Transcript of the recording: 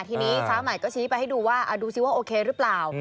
ทีนี้สามารถก็ชี้ไปให้ดูว่าดูสิว่าโอเครึเปล่า